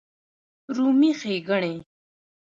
رومي ښېګڼې